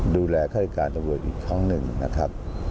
ดูแลข้าราชการตำรวจอีกครั้งหนึ่งนะครับ